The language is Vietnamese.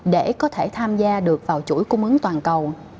để có thể tham gia được vào chuỗi cung ứng toàn cầu